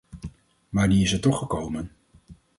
Maar die is er toch gekomen.